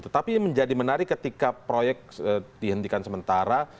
tetapi menjadi menarik ketika proyek dihentikan sementara